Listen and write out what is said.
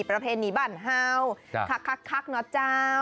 ประเภทนี้บ้านเฮาคักเนาะเจ้า